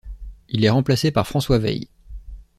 Il est remplacé par François Weil.